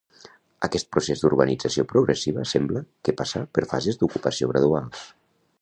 Aquest procés d'urbanització progressiva sembla que passà per fases d'ocupació graduals.